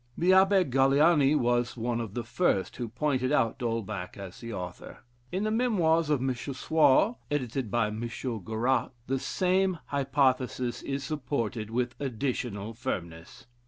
The Abbe Galiani was one of the first who pointed out D'Holbach as the author. In the memoirs of M. Suard, edited by M. Garat, the same hypothesis is supported with additional firmness.